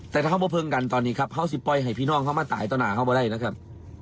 แต่ถ้าเขามาเพิงกันตอนนี้ครับเขาสิปล่อยให้พี่น้องเขามาตายต่อหน้าเข้ามาได้นะครับ